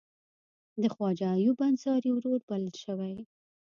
د خواجه ایوب انصاري ورور بلل شوی.